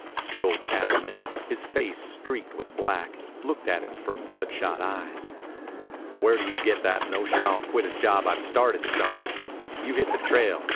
The old cattleman, his face streaked with black, looked at him from bloodshot eyes. "Where do you get that notion I'll quit a job I've started, son? You hit the trail.